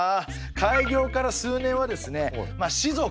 開業から数年はですね士族